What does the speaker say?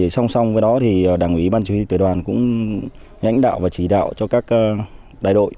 xong xong với đó đảng ủy ban chỉ huy tuyệt đoàn cũng nhánh đạo và chỉ đạo cho các đại đội